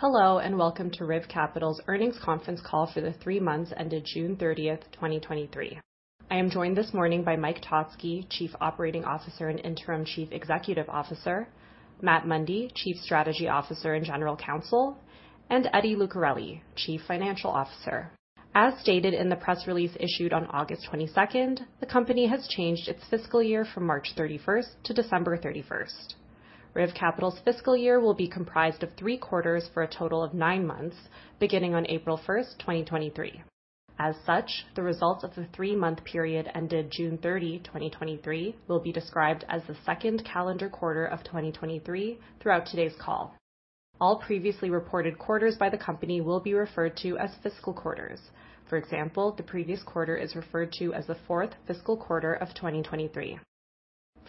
Hello, and welcome to RIV Capital's earnings conference call for the three months ended June 30th, 2023. I am joined this morning by Mike Totzke, Chief Operating Officer and Interim Chief Executive Officer, Matt Mundy, Chief Strategy Officer and General Counsel, and Eddie Lucarelli, Chief Financial Officer. As stated in the press release issued on August 22, the company has changed its fiscal year from March 31st to December 31st. RIV Capital's fiscal year will be comprised of three quarters for a total of nine months, beginning on April 1st, 2023. As such, the results of the three-month period ended June 30, 2023, will be described as the second calendar quarter of 2023 throughout today's call. All previously reported quarters by the company will be referred to as fiscal quarters. For example, the previous quarter is referred to as the fourth fiscal quarter of 2023.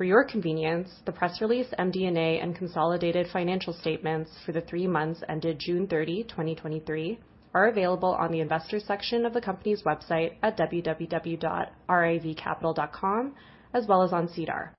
For your convenience, the press release, MD&A, and consolidated financial statements for the three months ended June 30, 2023, are available on the Investors section of the company's website at www.rivcapital.com, as well as on SEDAR.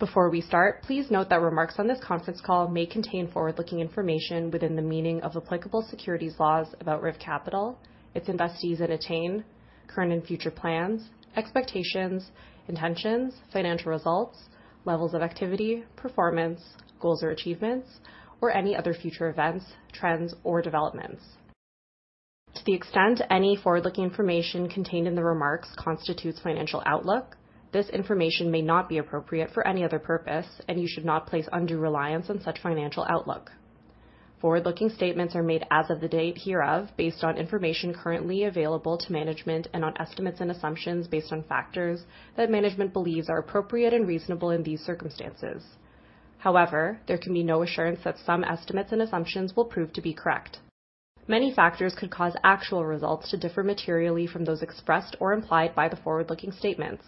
Before we start, please note that remarks on this conference call may contain forward-looking information within the meaning of applicable securities laws about RIV Capital, its investees and Etain, current and future plans, expectations, intentions, financial results, levels of activity, performance, goals or achievements, or any other future events, trends, or developments. To the extent any forward-looking information contained in the remarks constitutes financial outlook, this information may not be appropriate for any other purpose, and you should not place undue reliance on such financial outlook. Forward-looking statements are made as of the date hereof, based on information currently available to management and on estimates and assumptions based on factors that management believes are appropriate and reasonable in these circumstances. However, there can be no assurance that some estimates and assumptions will prove to be correct. Many factors could cause actual results to differ materially from those expressed or implied by the forward-looking statements.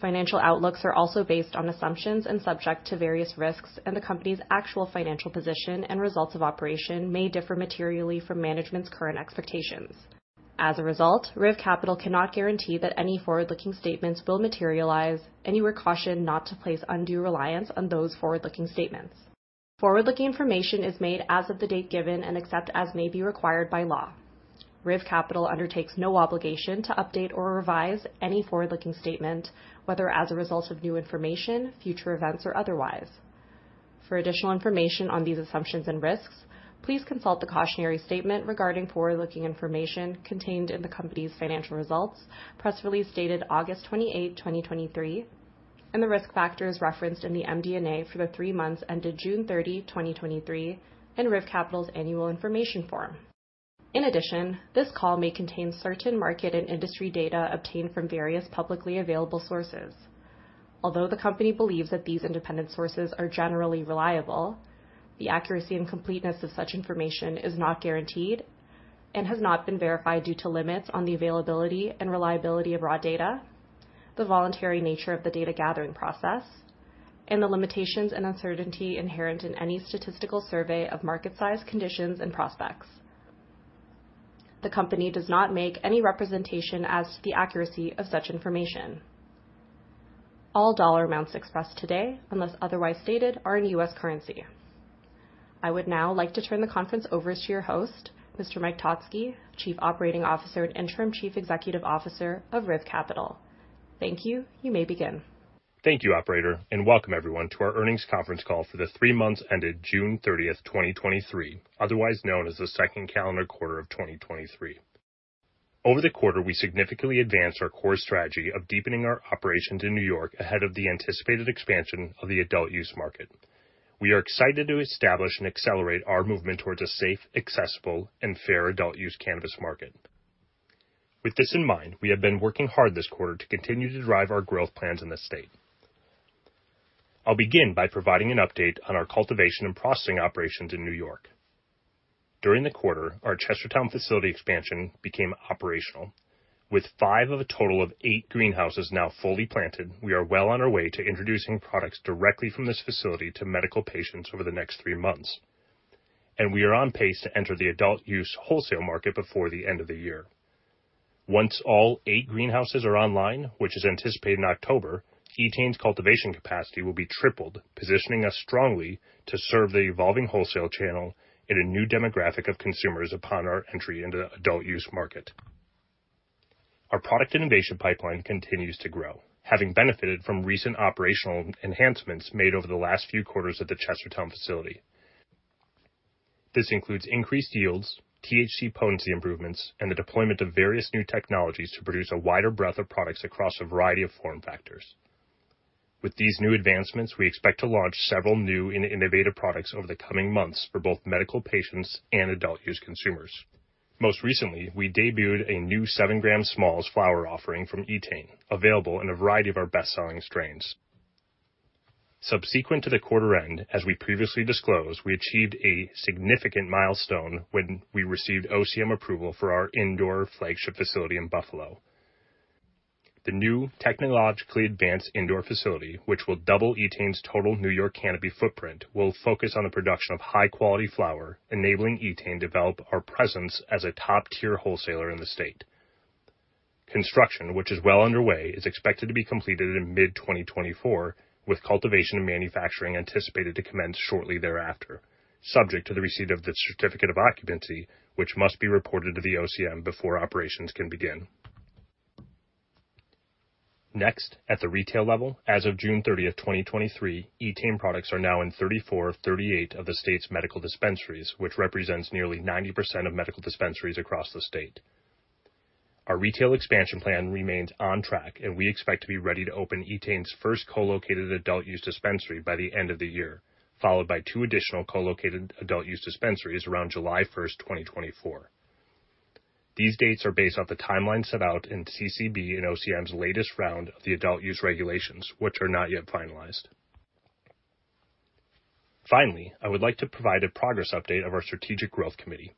Financial outlooks are also based on assumptions and subject to various risks, and the company's actual financial position and results of operation may differ materially from management's current expectations. As a result, RIV Capital cannot guarantee that any forward-looking statements will materialize anywhere cautioned not to place undue reliance on those forward-looking statements. Forward-looking information is made as of the date given and except as may be required by law. RIV Capital undertakes no obligation to update or revise any forward-looking statement, whether as a result of new information, future events, or otherwise. For additional information on these assumptions and risks, please consult the cautionary statement regarding forward-looking information contained in the company's financial results, press release dated August 28, 2023, and the risk factors referenced in the MD&A for the three months ended June 30, 2023, in RIV Capital's Annual Information Form. In addition, this call may contain certain market and industry data obtained from various publicly available sources. Although the company believes that these independent sources are generally reliable, the accuracy and completeness of such information is not guaranteed and has not been verified due to limits on the availability and reliability of raw data, the voluntary nature of the data gathering process, and the limitations and uncertainty inherent in any statistical survey of market size, conditions, and prospects. The company does not make any representation as to the accuracy of such information. All dollar amounts expressed today, unless otherwise stated, are in U.S. currency. I would now like to turn the conference over to your host, Mr. Mike Totzke, Chief Operating Officer and Interim Chief Executive Officer of RIV Capital. Thank you. You may begin. Thank you, operator, and welcome everyone to our earnings conference call for the three months ended June 30, 2023, otherwise known as the second calendar quarter of 2023. Over the quarter, we significantly advanced our core strategy of deepening our operations in New York ahead of the anticipated expansion of the adult use market. We are excited to establish and accelerate our movement towards a safe, accessible, and fair adult use cannabis market. With this in mind, we have been working hard this quarter to continue to drive our growth plans in the state. I'll begin by providing an update on our cultivation and processing operations in New York. During the quarter, our Chestertown facility expansion became operational. With five of a total of eight greenhouses now fully planted, we are well on our way to introducing products directly from this facility to medical patients over the next three months. We are on pace to enter the adult-use wholesale market before the end of the year. Once all eight greenhouses are online, which is anticipated in October, Etain's cultivation capacity will be tripled, positioning us strongly to serve the evolving wholesale channel in a new demographic of consumers upon our entry into the adult-use market. Our product innovation pipeline continues to grow, having benefited from recent operational enhancements made over the last few quarters at the Chestertown facility. This includes increased yields, THC potency improvements, and the deployment of various new technologies to produce a wider breadth of products across a variety of form factors. With these new advancements, we expect to launch several new and innovative products over the coming months for both medical patients and adult use consumers. Most recently, we debuted a new 7g smalls flower offering from Etain, available in a variety of our best-selling strains. Subsequent to the quarter end, as we previously disclosed, we achieved a significant milestone when we received OCM approval for our indoor flagship facility in Buffalo. The new technologically advanced indoor facility, which will double Etain's total New York canopy footprint, will focus on the production of high-quality flower, enabling Etain to develop our presence as a top-tier wholesaler in the state. Construction, which is well underway, is expected to be completed in mid-2024, with cultivation and manufacturing anticipated to commence shortly thereafter, subject to the receipt of the certificate of occupancy, which must be reported to the OCM before operations can begin. Next, at the retail level, as of June 30, 2023, Etain products are now in 34 of 38 of the state's medical dispensaries, which represents nearly 90% of medical dispensaries across the state. Our retail expansion plan remains on track, and we expect to be ready to open Etain's first co-located adult use dispensary by the end of the year, followed by two additional co-located adult use dispensaries around July 1st, 2024. These dates are based off the timeline set out in CCB and OCM's latest round of the adult use regulations, which are not yet finalized. Finally, I would like to provide a progress update of our Strategic Growth Committee.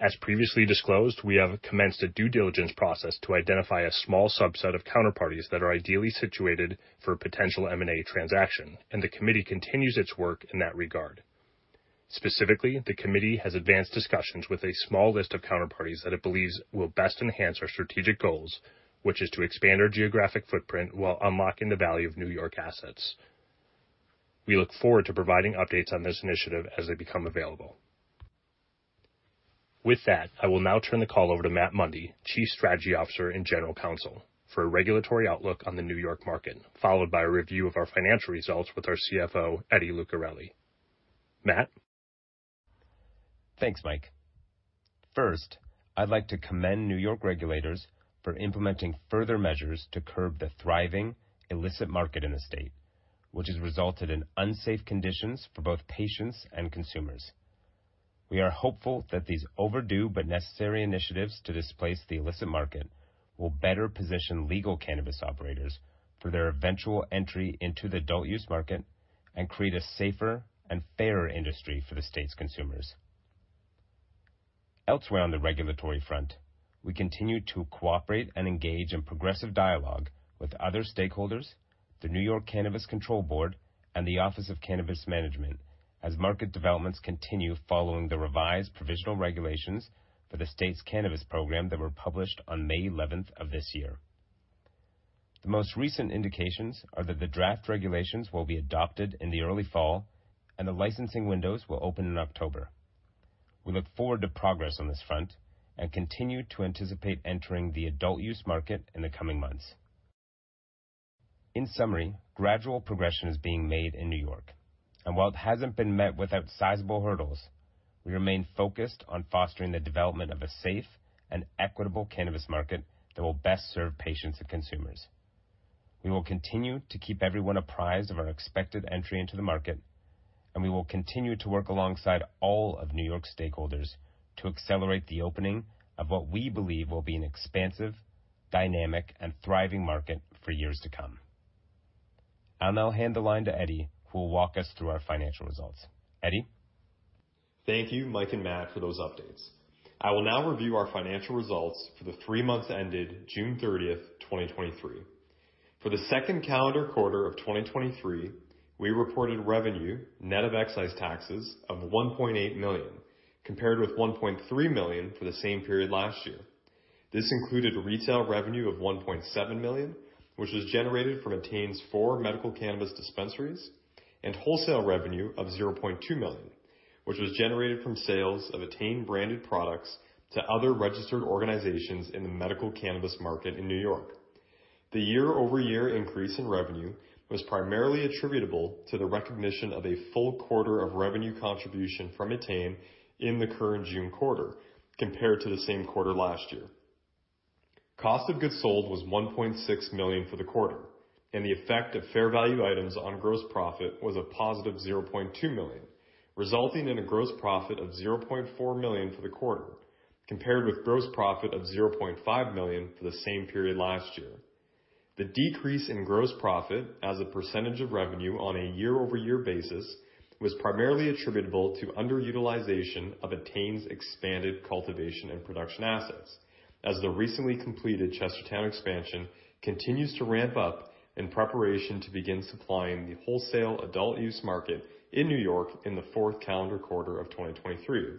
As previously disclosed, we have commenced a due diligence process to identify a small subset of counterparties that are ideally situated for a potential M&A transaction, and the committee continues its work in that regard. Specifically, the committee has advanced discussions with a small list of counterparties that it believes will best enhance our strategic goals, which is to expand our geographic footprint while unlocking the value of New York assets. We look forward to providing updates on this initiative as they become available. With that, I will now turn the call over to Matt Mundy, Chief Strategy Officer and General Counsel, for a regulatory outlook on the New York market, followed by a review of our financial results with our CFO, Eddie Lucarelli. Matt? Thanks, Mike. First, I'd like to commend New York regulators for implementing further measures to curb the thriving illicit market in the state, which has resulted in unsafe conditions for both patients and consumers. We are hopeful that these overdue but necessary initiatives to displace the illicit market will better position legal cannabis operators for their eventual entry into the adult use market and create a safer and fairer industry for the state's consumers. Elsewhere on the regulatory front, we continue to cooperate and engage in progressive dialogue with other stakeholders, the New York Cannabis Control Board, and the Office of Cannabis Management, as market developments continue following the revised provisional regulations for the state's cannabis program that were published on May 11th of this year. The most recent indications are that the draft regulations will be adopted in the early fall, and the licensing windows will open in October. We look forward to progress on this front and continue to anticipate entering the adult use market in the coming months. In summary, gradual progression is being made in New York, and while it hasn't been met without sizable hurdles, we remain focused on fostering the development of a safe and equitable cannabis market that will best serve patients and consumers. We will continue to keep everyone apprised of our expected entry into the market, and we will continue to work alongside all of New York stakeholders to accelerate the opening of what we believe will be an expansive, dynamic, and thriving market for years to come. I'll now hand the line to Eddie, who will walk us through our financial results. Eddie? Thank you, Mike and Matt, for those updates. I will now review our financial results for the three months ended June 30th, 2023. For the second calendar quarter of 2023, we reported revenue net of excise taxes of $1.8 million, compared with $1.3 million for the same period last year. This included retail revenue of $1.7 million, which was generated from Etain's four medical cannabis dispensaries, and wholesale revenue of $0.2 million, which was generated from sales of Etain-branded products to other registered organizations in the medical cannabis market in New York. The year-over-year increase in revenue was primarily attributable to the recognition of a full quarter of revenue contribution from Etain in the current June quarter compared to the same quarter last year. Cost of goods sold was $1.6 million for the quarter, and the effect of fair value items on gross profit was a positive $0.2 million, resulting in a gross profit of $0.4 million for the quarter, compared with gross profit of $0.5 million for the same period last year. The decrease in gross profit as a percentage of revenue on a year-over-year basis was primarily attributable to underutilization of Etain's expanded cultivation and production assets, as the recently completed Chestertown expansion continues to ramp up in preparation to begin supplying the wholesale adult use market in New York in the fourth calendar quarter of 2023.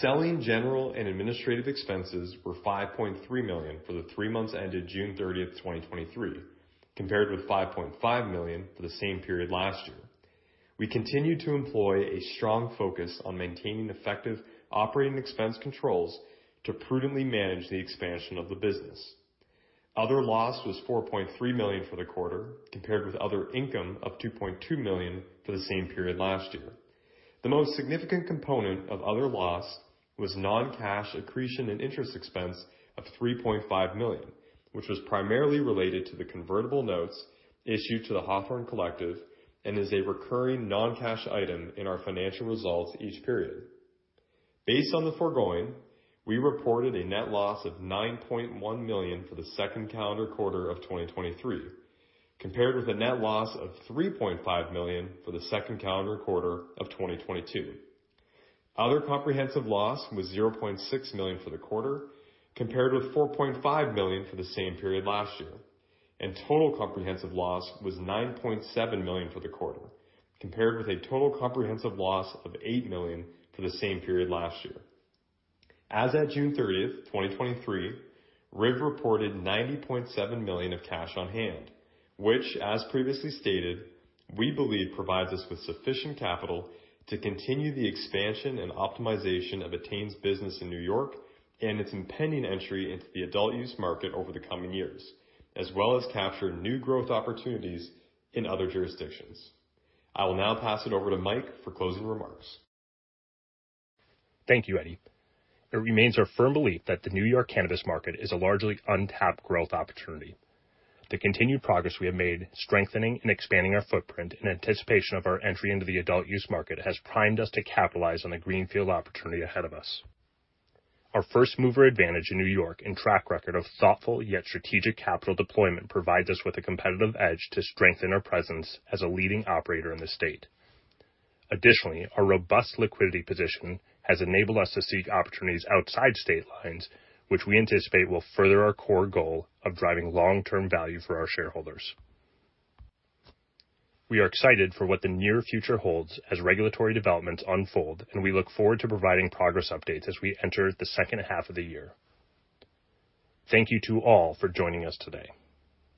Selling general and administrative expenses were $5.3 million for the three months ended June 30th, 2023, compared with $5.5 million for the same period last year. We continued to employ a strong focus on maintaining effective operating expense controls to prudently manage the expansion of the business. Other loss was $4.3 million for the quarter, compared with other income of $2.2 million for the same period last year. The most significant component of other loss was non-cash accretion and interest expense of $3.5 million, which was primarily related to the convertible notes issued to the Hawthorne Collective and is a recurring non-cash item in our financial results each period. Based on the foregoing, we reported a net loss of $9.1 million for the second calendar quarter of 2023, compared with a net loss of $3.5 million for the second calendar quarter of 2022. Other comprehensive loss was $0.6 million for the quarter, compared with $4.5 million for the same period last year, and total comprehensive loss was $9.7 million for the quarter, compared with a total comprehensive loss of $8 million for the same period last year. As at June 30th, 2023, RIV reported $90.7 million of cash on hand, which, as previously stated, we believe provides us with sufficient capital to continue the expansion and optimization of Etain's business in New York and its impending entry into the adult use market over the coming years, as well as capture new growth opportunities in other jurisdictions. I will now pass it over to Mike for closing remarks. Thank you, Eddie. It remains our firm belief that the New York cannabis market is a largely untapped growth opportunity. The continued progress we have made, strengthening and expanding our footprint in anticipation of our entry into the adult use market, has primed us to capitalize on the greenfield opportunity ahead of us. Our first-mover advantage in New York and track record of thoughtful yet strategic capital deployment provides us with a competitive edge to strengthen our presence as a leading operator in the state. Additionally, our robust liquidity position has enabled us to seek opportunities outside state lines, which we anticipate will further our core goal of driving long-term value for our shareholders. We are excited for what the near future holds as regulatory developments unfold, and we look forward to providing progress updates as we enter the second half of the year. Thank you to all for joining us today.